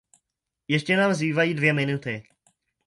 Ještě nám zbývají dvě minuty.